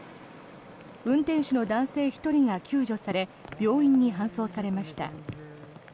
運転手の男性１人が救助され病院に搬送されました。